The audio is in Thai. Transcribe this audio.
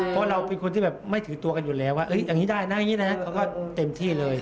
เพราะเราเป็นคนที่แบบไม่ถือตัวกันอยู่แล้วว่าอย่างนี้ได้นะอย่างนี้นะเขาก็เต็มที่เลย